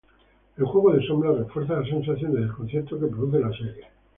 El juego de sombras refuerza la sensación de desconcierto que produce la sonrisa.